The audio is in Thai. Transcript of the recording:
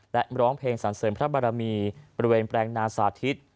และร้องเพลงสรรเสริมพระบารมีบริเวณแปลงนาสาธิต